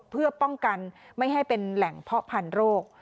เพื่อป้องกันไม่ให้เป็นแหล่งเพาะพันธุ์โรค